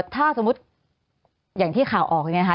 ถ้าสมมุติอย่างที่ข่าวออกอย่างนี้นะคะ